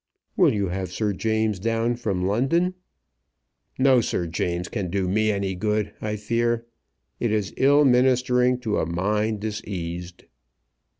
"Will you have Sir James down from London?" "No Sir James can do me any good, I fear. It is ill ministering to a mind diseased."